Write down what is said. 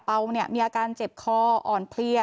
เป๋าเนี่ยมีอาการเจ็บคออ่อนเพลีย